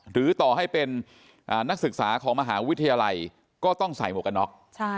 หรือต่อให้เป็นนักศึกษาของมหาวิทยาลัยก็ต้องใส่หมวกกันน็อก